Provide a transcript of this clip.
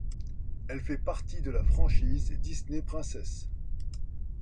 Elle fait partie de la franchise Disney Princess.